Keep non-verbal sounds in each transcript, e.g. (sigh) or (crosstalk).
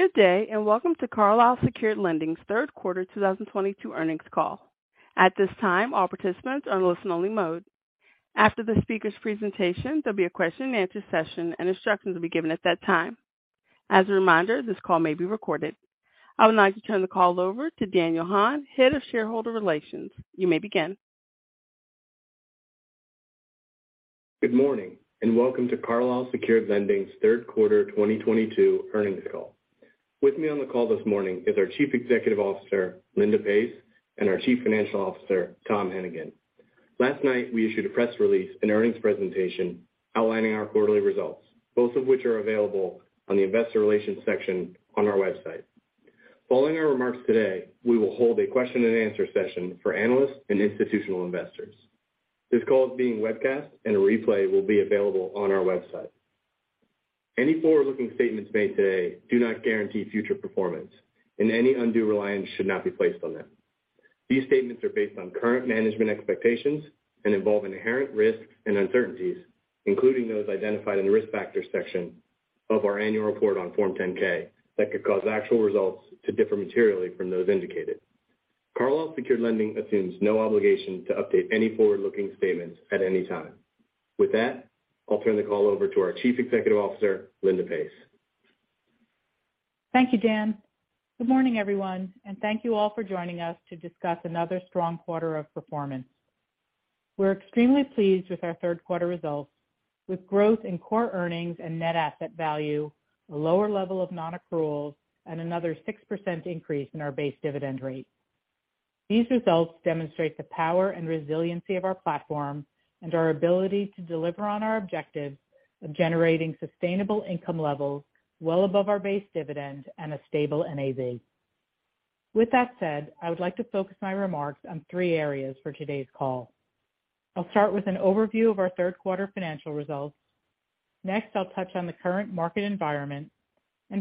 Good day, and welcome to Carlyle Secured Lending's third quarter 2022 earnings call. At this time, all participants are in listen only mode. After the speaker's presentation, there'll be a question and answer session, and instructions will be given at that time. As a reminder, this call may be recorded. I would now like to turn the call over to Daniel Hahn, Head of Shareholder Relations. You may begin. Good morning, and welcome to Carlyle Secured Lending's third quarter 2022 earnings call. With me on the call this morning is our Chief Executive Officer, Linda Pace, and our Chief Financial Officer, Tom Hennigan. Last night we issued a press release and earnings presentation outlining our quarterly results, both of which are available on the investor relations section on our website. Following our remarks today, we will hold a question and answer session for analysts and institutional investors. This call is being webcast, and a replay will be available on our website. Any forward-looking statements made today do not guarantee future performance, and any undue reliance should not be placed on them. These statements are based on current management expectations and involve inherent risks and uncertainties, including those identified in the Risk Factors section of our annual report on Form 10-K, that could cause actual results to differ materially from those indicated. Carlyle Secured Lending assumes no obligation to update any forward-looking statements at any time. With that, I'll turn the call over to our Chief Executive Officer, Linda Pace. Thank you, Dan. Good morning, everyone, and thank you all for joining us to discuss another strong quarter of performance. We're extremely pleased with our third quarter results, with growth in core earnings and net asset value, a lower level of non-accruals, and another 6% increase in our base dividend rate. These results demonstrate the power and resiliency of our platform and our ability to deliver on our objectives of generating sustainable income levels well above our base dividend and a stable NAV. With that said, I would like to focus my remarks on three areas for today's call. I'll start with an overview of our third quarter financial results. Next, I'll touch on the current market environment.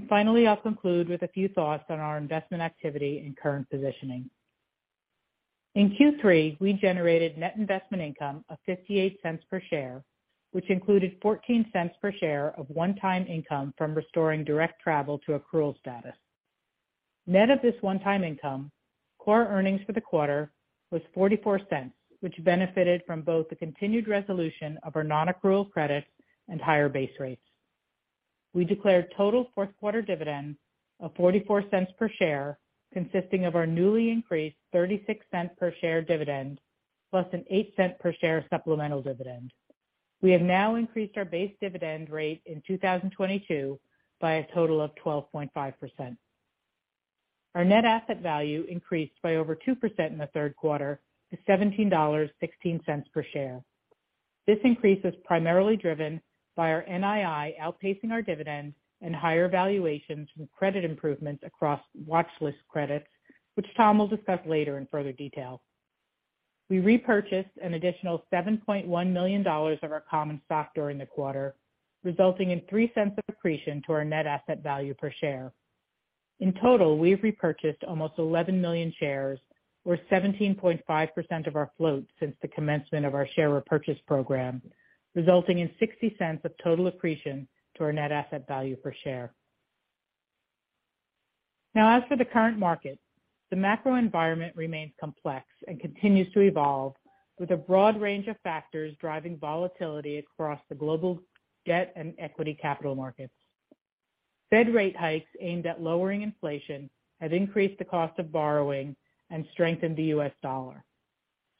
Finally, I'll conclude with a few thoughts on our investment activity and current positioning. In Q3, we generated net investment income of $0.58 per share, which included $0.14 per share of one-time income from restoring Direct Travel to accrual status. Net of this one-time income, core earnings for the quarter was $0.44, which benefited from both the continued resolution of our non-accrual credits and higher base rates. We declared total fourth quarter dividend of $0.44 per share, consisting of our newly increased $0.36 per share dividend plus an $0.08 per share supplemental dividend. We have now increased our base dividend rate in 2022 by a total of 12.5%. Our net asset value increased by over 2% in the third quarter to $17.16 per share. This increase is primarily driven by our NII outpacing our dividends and higher valuations from credit improvements across watchlist credits, which Tom will discuss later in further detail. We repurchased an additional $7.1 million of our common stock during the quarter, resulting in $0.03 of accretion to our net asset value per share. In total, we have repurchased almost 11 million shares or 17.5% of our float since the commencement of our share repurchase program, resulting in $0.60 of total accretion to our net asset value per share. Now as for the current market, the macro environment remains complex and continues to evolve with a broad range of factors driving volatility across the global debt and equity capital markets. Fed rate hikes aimed at lowering inflation have increased the cost of borrowing and strengthened the U.S. dollar.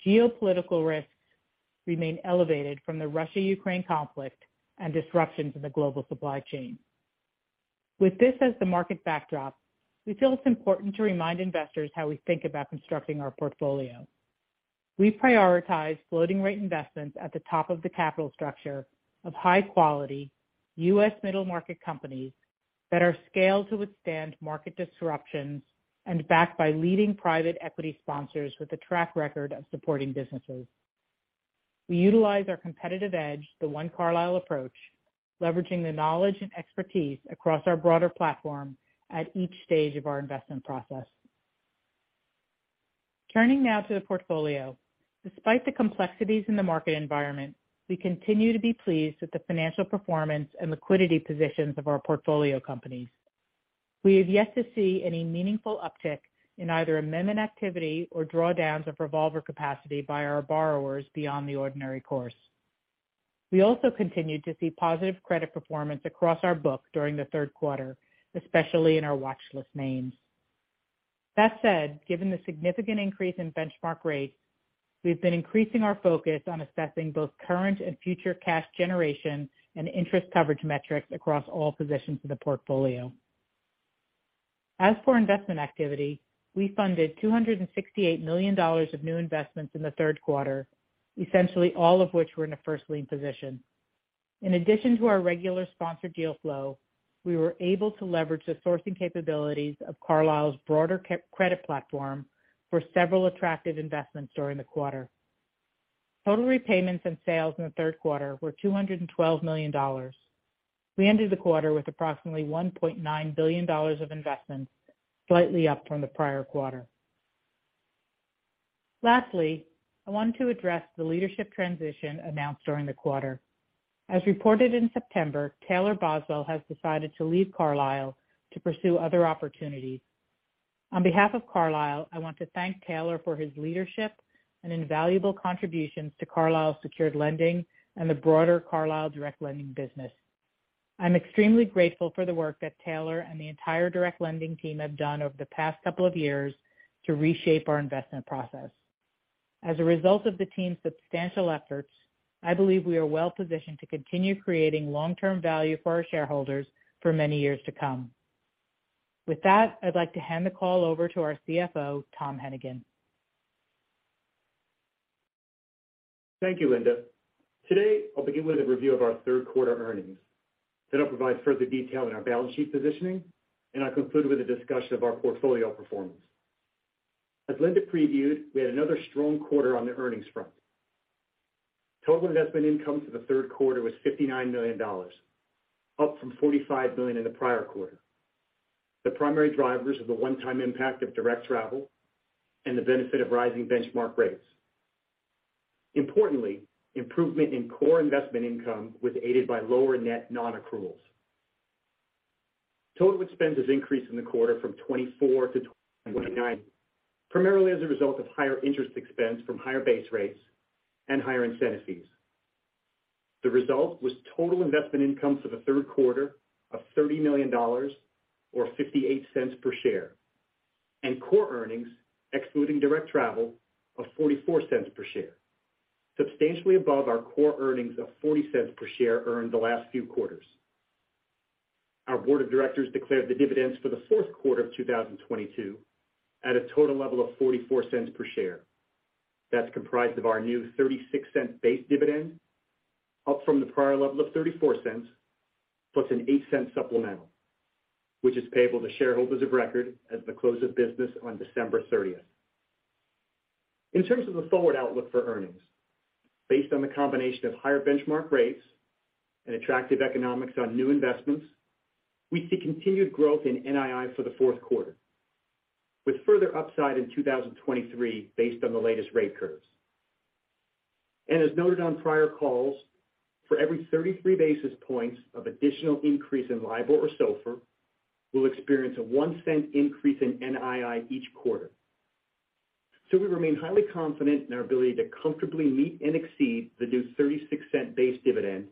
Geopolitical risks remain elevated from the Russia-Ukraine conflict and disruptions in the global supply chain. With this as the market backdrop, we feel it's important to remind investors how we think about constructing our portfolio. We prioritize floating rate investments at the top of the capital structure of high quality U.S. middle market companies that are scaled to withstand market disruptions and backed by leading private equity sponsors with a track record of supporting businesses. We utilize our competitive edge, the One Carlyle approach, leveraging the knowledge and expertise across our broader platform at each stage of our investment process. Turning now to the portfolio. Despite the complexities in the market environment, we continue to be pleased with the financial performance and liquidity positions of our portfolio companies. We have yet to see any meaningful uptick in either amendment activity or drawdowns of revolver capacity by our borrowers beyond the ordinary course. We also continued to see positive credit performance across our book during the third quarter, especially in our watchlist names. That said, given the significant increase in benchmark rates, we've been increasing our focus on assessing both current and future cash generation and interest coverage metrics across all positions in the portfolio. As for investment activity, we funded $268 million of new investments in the third quarter, essentially all of which were in the first lien position. In addition to our regular sponsored deal flow, we were able to leverage the sourcing capabilities of Carlyle's broader credit platform for several attractive investments during the quarter. Total repayments and sales in the third quarter were $212 million. We ended the quarter with approximately $1.9 billion of investments, slightly up from the prior quarter. Lastly, I want to address the leadership transition announced during the quarter. As reported in September, Taylor Boswell has decided to leave Carlyle to pursue other opportunities. On behalf of Carlyle, I want to thank Taylor for his leadership and invaluable contributions to Carlyle Secured Lending and the broader Carlyle Direct Lending business. I'm extremely grateful for the work that Taylor and the entire direct lending team have done over the past couple of years to reshape our investment process. As a result of the team's substantial efforts, I believe we are well-positioned to continue creating long-term value for our shareholders for many years to come. With that, I'd like to hand the call over to our CFO, Tom Hennigan. Thank you, Linda. Today, I'll begin with a review of our third quarter earnings. I'll provide further detail on our balance sheet positioning, and I'll conclude with a discussion of our portfolio performance. As Linda previewed, we had another strong quarter on the earnings front. Total investment income for the third quarter was $59 million, up from $45 million in the prior quarter. The primary drivers of the one-time impact of Direct Travel and the benefit of rising benchmark rates. Importantly, improvement in core investment income was aided by lower net non-accruals. Total expense has increased in the quarter from $24 million to $29 million, primarily as a result of higher interest expense from higher base rates and higher incentive fees. The result was total investment income for the third quarter of $30 million or $0.58 per share, and core earnings excluding Direct Travel of $0.44 per share, substantially above our core earnings of $0.40 per share earned the last few quarters. Our board of directors declared the dividends for the fourth quarter of 2022 at a total level of $0.44 per share. That's comprised of our new $0.36 base dividend, up from the prior level of $0.34, plus an $0.08 supplemental, which is payable to shareholders of record at the close of business on December 30th. In terms of the forward outlook for earnings, based on the combination of higher benchmark rates and attractive economics on new investments, we see continued growth in NII for the fourth quarter, with further upside in 2023 based on the latest rate curves. As noted on prior calls, for every 33 basis points of additional increase in LIBOR or SOFR, we'll experience a $0.01 increase in NII each quarter. We remain highly confident in our ability to comfortably meet and exceed the new $0.36 base dividend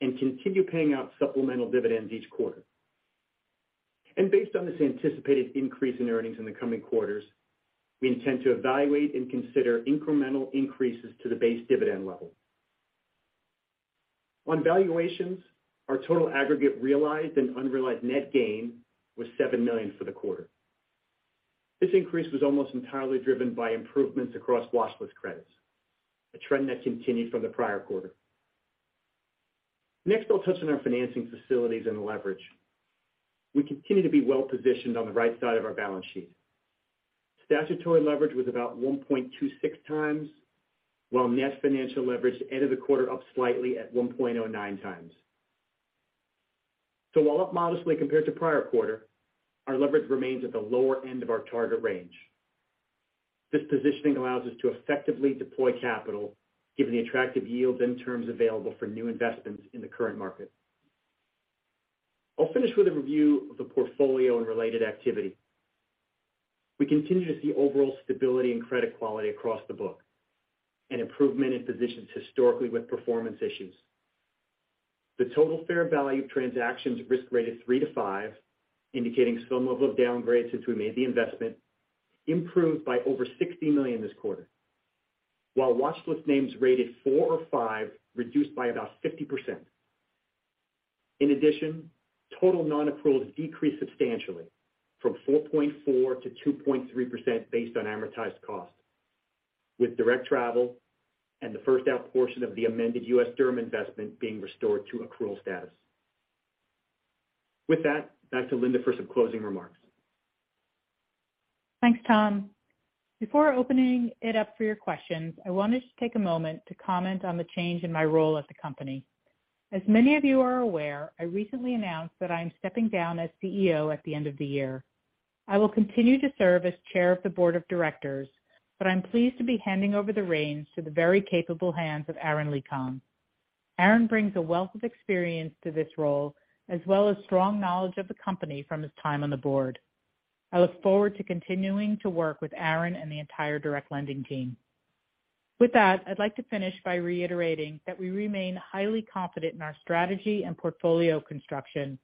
and continue paying out supplemental dividends each quarter. Based on this anticipated increase in earnings in the coming quarters, we intend to evaluate and consider incremental increases to the base dividend level. On valuations, our total aggregate realized and unrealized net gain was $7 million for the quarter. This increase was almost entirely driven by improvements across watchlist credits, a trend that continued from the prior quarter. Next, I'll touch on our financing facilities and leverage. We continue to be well-positioned on the right side of our balance sheet. Statutory leverage was about 1.26 times, while net financial leverage ended the quarter up slightly at 1.09 times. While up modestly compared to prior quarter, our leverage remains at the lower end of our target range. This positioning allows us to effectively deploy capital given the attractive yields and terms available for new investments in the current market. I'll finish with a review of the portfolio and related activity. We continue to see overall stability and credit quality across the book, and improvement in positions historically with performance issues. The total fair value of transactions risk-rated three to five, indicating some level of downgrade since we made the investment, improved by over $60 million this quarter, while watchlist names rated four or five reduced by about 50%. In addition, total non-accruals decreased substantially from 4.4% to 2.3% based on amortized cost, with Direct Travel and the first out portion of the amended U.S. Derm investment being restored to accrual status. With that, back to Linda for some closing remarks. Thanks, Tom. Before opening it up for your questions, I wanted to take a moment to comment on the change in my role at the company. As many of you are aware, I recently announced that I am stepping down as CEO at the end of the year. I will continue to serve as chair of the board of directors, but I'm pleased to be handing over the reins to the very capable hands of Aren LeeKong. Aren brings a wealth of experience to this role, as well as strong knowledge of the company from his time on the board. I look forward to continuing to work with Aren and the entire direct lending team. With that, I'd like to finish by reiterating that we remain highly confident in our strategy and portfolio construction,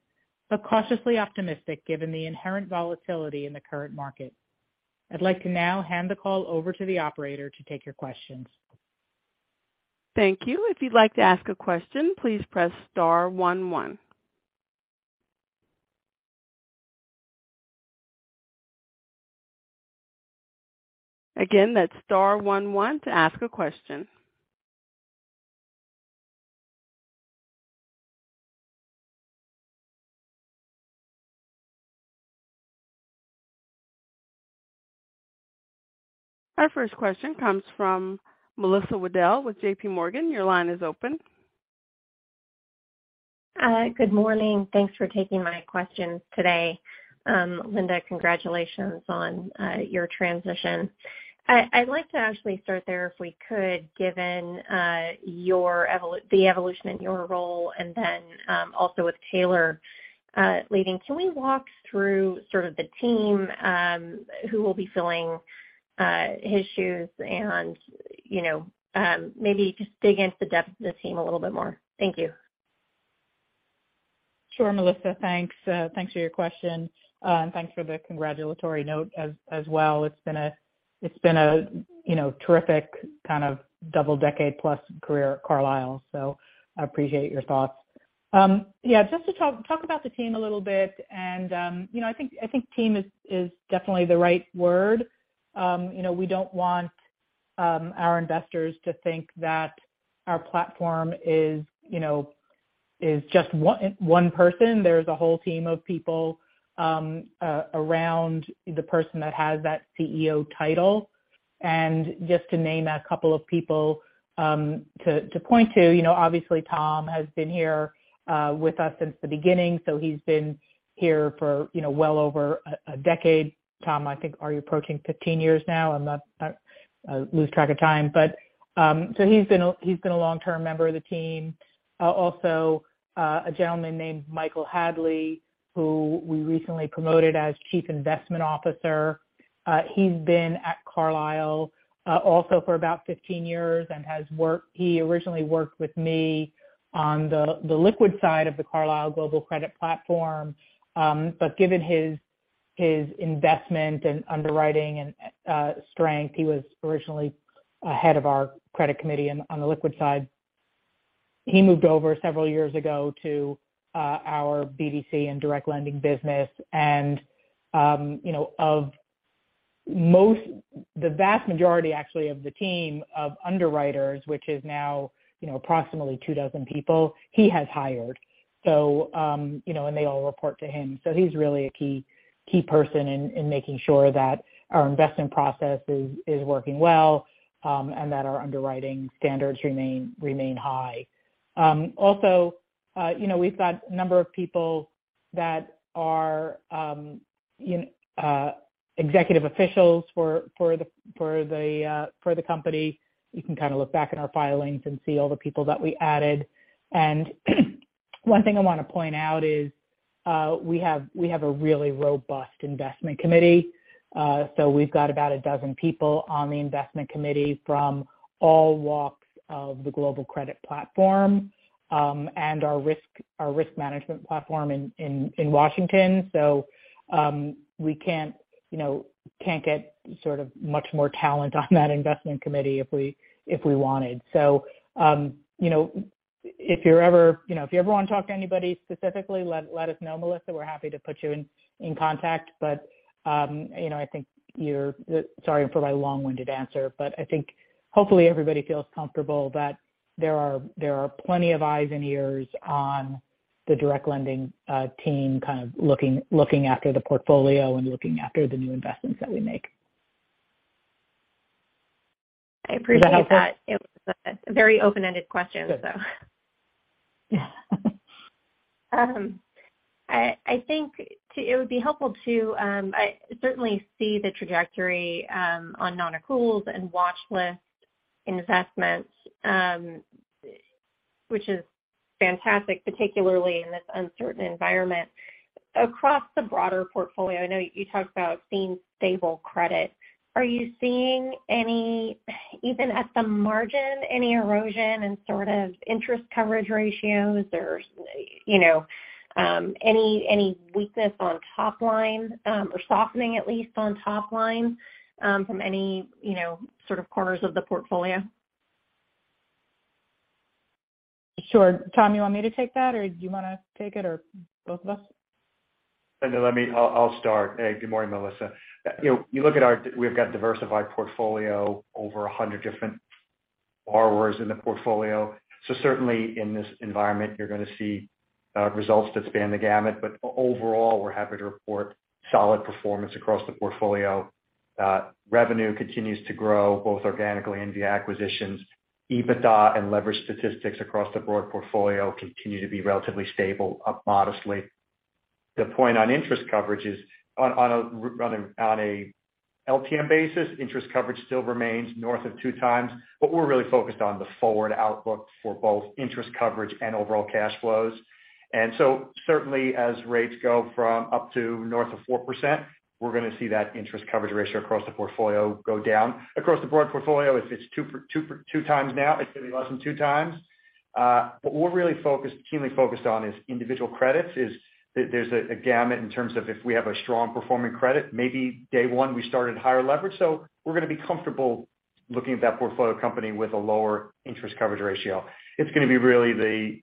but cautiously optimistic given the inherent volatility in the current market. I'd like to now hand the call over to the operator to take your questions. Thank you. If you'd like to ask a question, please press star one one. Again, that's star one one to ask a question. Our first question comes from Melissa Wedel with JPMorgan. Your line is open. Good morning. Thanks for taking my questions today. Linda, congratulations on your transition. I'd like to actually start there, if we could, given the evolution in your role and then also with Taylor leaving. Can we walk through sort of the team, who will be filling his shoes and, you know, maybe just dig into the depth of the team a little bit more? Thank you. Sure, Melissa. Thanks for your question and thanks for the congratulatory note as well. It's been a, you know, terrific kind of double decade plus career at Carlyle, so I appreciate your thoughts. Yeah, just to talk about the team a little bit and, you know, I think team is definitely the right word. You know, we don't want our investors to think that our platform is, you know, is just one person. There's a whole team of people around the person that has that CEO title. Just to name a couple of people to point to, you know, obviously Tom has been here with us since the beginning. He's been here for, you know, well over a decade. Tom, I think you're approaching 15 years now? I'm not. I lose track of time. He's been a long-term member of the team. Also, a gentleman named Michael Hadley, who we recently promoted as Chief Investment Officer. He's been at Carlyle also for about 15 years and he originally worked with me on the liquid side of the Carlyle Global Credit platform. Given his investment and underwriting and strength, he was originally head of our credit committee on the liquid side. He moved over several years ago to our BDC and direct lending business. The vast majority actually of the team of underwriters, which is now approximately 24 people, he has hired. You know, and they all report to him. He's really a key person in making sure that our investment process is working well, and that our underwriting standards remain high. Also, you know, we've got a number of people that are executive officials for the company. You can kind of look back at our filings and see all the people that we added. One thing I wanna point out is we have a really robust investment committee. We've got about a dozen people on the investment committee from all walks of the global credit platform, and our risk management platform in Washington. We can't, you know, get sort of much more talent on that investment committee if we wanted. You know, if you ever wanna talk to anybody specifically, let us know, Melissa. We're happy to put you in contact. You know, I think you're. Sorry for my long-winded answer, but I think hopefully everybody feels comfortable that there are plenty of eyes and ears on the direct lending team kind of looking after the portfolio and looking after the new investments that we make. I appreciate that. Does that help? It was a very open-ended question, so. Yeah. I think it would be helpful. I certainly see the trajectory on non-accruals and watchlist investments, which is fantastic, particularly in this uncertain environment. Across the broader portfolio, I know you talked about seeing stable credit. Are you seeing any, even at the margin, any erosion in sort of interest coverage ratios or, you know, any weakness on top line, or softening at least on top line, from any, you know, sort of corners of the portfolio? Sure. Tom, you want me to take that, or do you wanna take it or both of us? Linda, I'll start. Hey, good morning, Melissa. You know, you look at our diversified portfolio over 100 different borrowers in the portfolio. Certainly in this environment you're gonna see results that span the gamut. Overall, we're happy to report solid performance across the portfolio. Revenue continues to grow both organically and via acquisitions. EBITDA and leverage statistics across the broad portfolio continue to be relatively stable, up modestly. The point on interest coverage is on a LTM basis, interest coverage still remains north of two times, but we're really focused on the forward outlook for both interest coverage and overall cash flows. Certainly as rates go up to north of 4%, we're gonna see that interest coverage ratio across the portfolio go down. Across the broad portfolio, if it's two times now, it's gonna be less than two times. But what we're really focused, keenly focused on is individual credits. There's a gamut in terms of if we have a strong performing credit, maybe day one we started higher leverage. We're gonna be comfortable looking at that portfolio company with a lower interest coverage ratio. It's gonna be really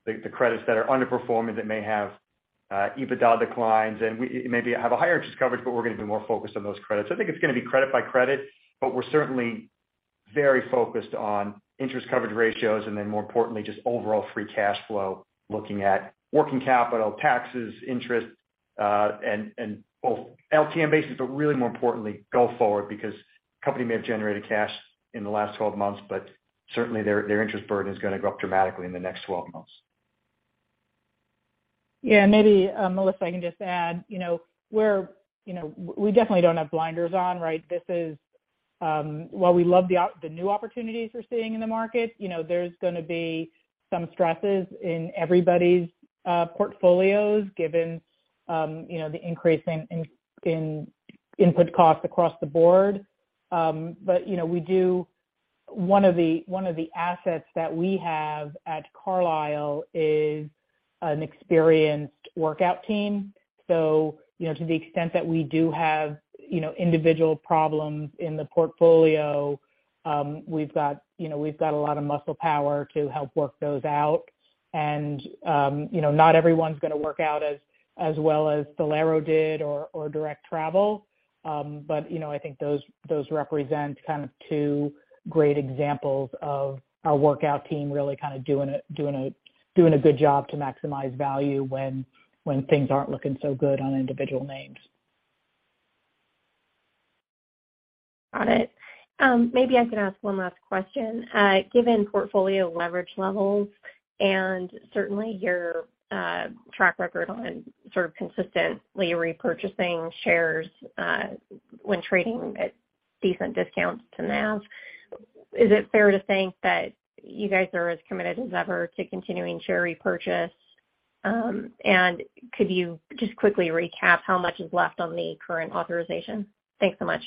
the credits that are underperforming that may have EBITDA declines and maybe have a higher interest coverage, but we're gonna be more focused on those credits. I think it's gonna be credit by credit, but we're certainly very focused on interest coverage ratios and then more importantly, just overall free cash flow, looking at working capital, taxes, interest, and both LTM basis, but really more importantly go forward because company may have generated cash in the last 12 months, but certainly their interest burden is gonna go up dramatically in the next 12 months. Yeah, maybe, Melissa, I can just add, you know, we're, you know, we definitely don't have blinders on, right? This is, while we love the new opportunities we're seeing in the market, you know, there's gonna be some stresses in everybody's portfolios given, you know, the increase in input costs across the board. One of the assets that we have at Carlyle is an experienced workout team. So, you know, to the extent that we do have, you know, individual problems in the portfolio, we've got a lot of muscle power to help work those out. You know, not everyone's gonna work out as well as Valero did or Direct Travel. You know, I think those represent kind of two great examples of our workout team really kind of doing a good job to maximize value when things aren't looking so good on individual names. Got it. Maybe I can ask one last question. Given portfolio leverage levels and certainly your track record on sort of consistently repurchasing shares, when trading at decent discounts to NAV, is it fair to think that you guys are as committed as ever to continuing share repurchase? Could you just quickly recap how much is left on the current authorization? Thanks so much.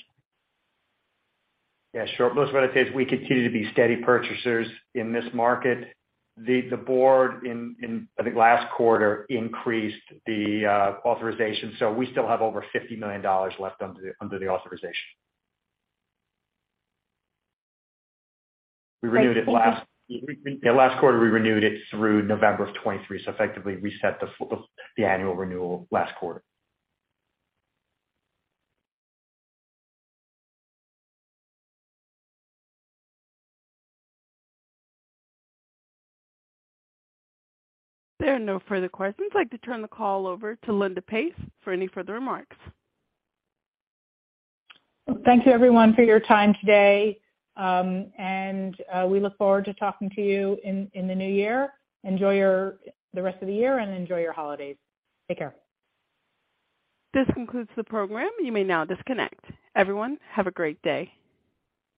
Yeah, sure. Melissa, what I'd say is we continue to be steady purchasers in this market. The board, I think last quarter increased the authorization, so we still have over $50 million left under the authorization. We renewed it last. (crosstalk) Yeah, last quarter, we renewed it through November of 2023, so effectively reset the annual renewal last quarter. There are no further questions. I'd like to turn the call over to Linda Pace for any further remarks. Thank you everyone for your time today, and we look forward to talking to you in the new year. Enjoy the rest of the year and enjoy your holidays. Take care. This concludes the program. You may now disconnect. Everyone, have a great day.